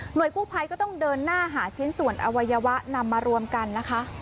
โดยกู้ภัยก็ต้องเดินหน้าหาชิ้นส่วนอวัยวะนำมารวมกันนะคะ